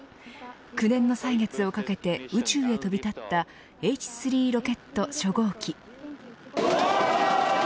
９年の歳月をかけて宇宙へ飛び立ったＨ３ロケット初号機。